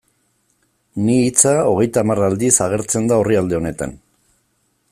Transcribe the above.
Ni hitza hogeita hamar aldiz agertzen da orrialde honetan.